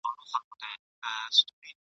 په غومبر یې وه سینه را پړسولې ..